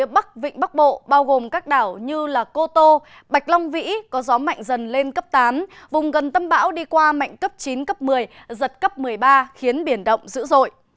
bạch long vĩ có gió mạnh dần lên cấp tám vùng gần tâm bão đi qua mạnh cấp chín cấp một mươi giật cấp một mươi ba khiến biển động dữ dội